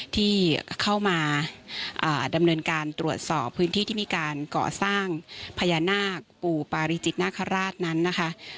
ที่เข้ามาดำเนินการตรวจสอบพื้นที่ที่มีการก่อสร้างพญานาคปู่ปาริจิตนาคาราชนั้นนะคะ